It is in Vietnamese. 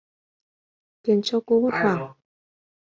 Khiến cho cô hốt hoảng